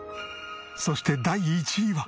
そして第１位は。